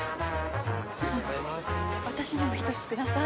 私にも１つください。